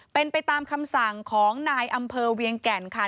เป็นไปตามคำสั่งของนายอำเภอเวียงแก่นค่ะ